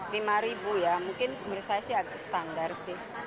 lima ribu ya mungkin menurut saya sih agak standar sih